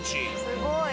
すごい。